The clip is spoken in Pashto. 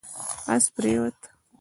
اس پرېووت